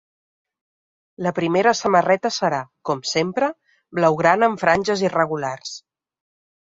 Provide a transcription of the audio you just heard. La primera samarreta serà, com sempre, blaugrana amb franges irregulars.